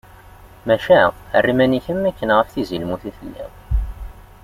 Maca, err iman-ik am akken aqli-k ɣef tizi lmut i telliḍ.